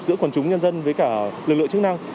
giữa quần chúng nhân dân với cả lực lượng chức năng